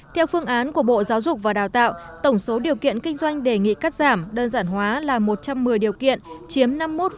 theo phương án của bộ giáo dục và đào tạo tổng số điều kiện kinh doanh đề nghị cắt giảm đơn giản hóa là một trăm một mươi điều kiện chiếm năm mươi một tám